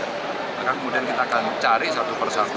maka kemudian kita akan cari satu persatu